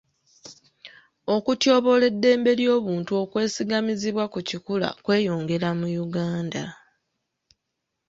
Okutyoboola eddembe ly'obuntu okwesigamizibwa ku kikula kweyongera mu Uganda.